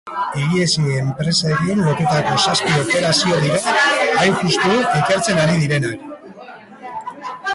Higiezinen enpresekin lotutako zazpi operazio dira, hain justu, ikertzen ari direnak.